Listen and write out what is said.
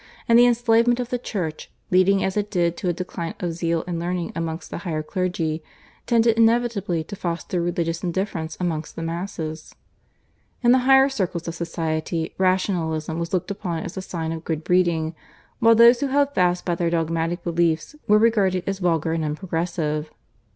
and the enslavement of the Church, leading as it did to a decline of zeal and learning amongst the higher clergy, tended inevitably to foster religious indifference amongst the masses. In the higher circles of society Rationalism was looked upon as a sign of good breeding, while those who held fast by their dogmatic beliefs were regarded as vulgar and unprogressive.